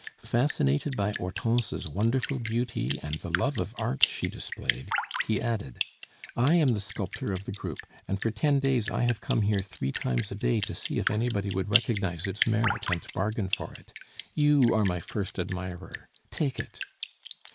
Fascinated by Hortense's wonderful beauty and the love of art she displayed, he added: "I am the sculptor of the group, and for ten days I have come here three times a day to see if anybody would recognize its merit and bargain for it. You are my first admirer take it!"